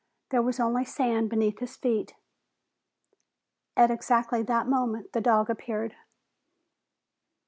There was only sand beneath his feet. At exactly that moment, the dog appeared.